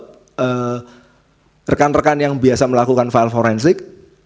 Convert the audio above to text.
kepada rekan rekan yang biasa melakukan file forensik